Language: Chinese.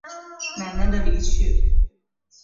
奶奶的离去